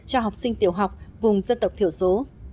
cho học sinh tiểu học vùng dân tộc thiểu số